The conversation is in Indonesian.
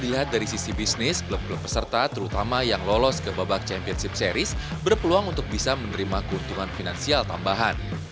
dilihat dari sisi bisnis klub klub peserta terutama yang lolos ke babak championship series berpeluang untuk bisa menerima keuntungan finansial tambahan